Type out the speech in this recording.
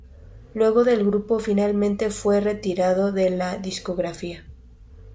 Luego el grupo finalmente fue retirado de la discográfica.